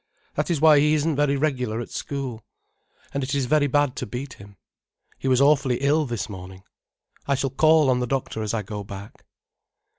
That is why he isn't very regular at school. And it is very bad to beat him. He was awfully ill this morning—I shall call on the doctor as I go back."